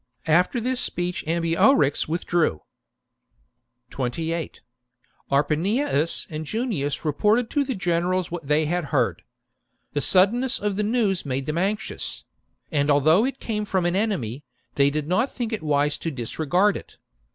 After this speech Ambiorix withdrew. 28. Arpineius and Junius reported to the The advice generals what they had heard. The suddenness a council of of the news made them anxious ; and although it came from an enemy, they did not think it wise to disregard it.